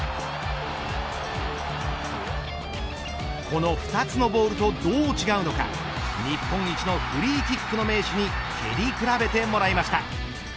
この２つのボールとどう違うのか日本一のフリーキックの名手に蹴り比べてもらいました。